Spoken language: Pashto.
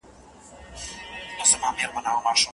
لکه ملنگ چې د پاچا تصوير په خوب وويني